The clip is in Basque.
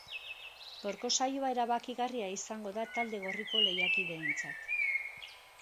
Gaurko saioa erabakigarria izango da talde gorriko lehiakideentzat.